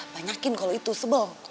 banyakin kalau itu sebel